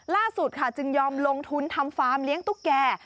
ล่าสุดค่ะจึงยอมลงทุนทำฟาร์มเลี้ยงตุ๊กแก่